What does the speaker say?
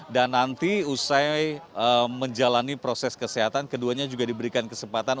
dan nanti usai menjalani proses kesehatan keduanya juga diberikan kesempatan